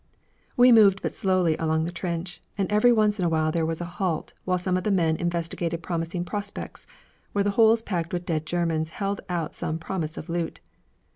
We moved but slowly along the trench, and every once in a while there was a halt while some of the men investigated promising 'prospects' where the holes packed with dead Germans held out some promise of loot.